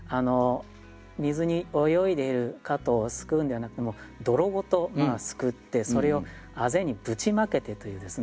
水に泳いでいる蝌蚪をすくうんではなくてもう泥ごとすくってそれを畦にぶちまけてというですね